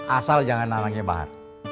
asal jangan nangangnya bahar